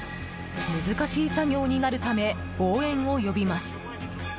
難しい作業になるため応援を呼びます。